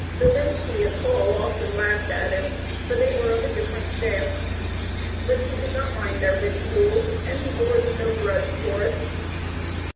Bilinski and Paul often laughed at him, for they were of a different stamp. But he did not mind their ridicule, and he bore them no grudge for it.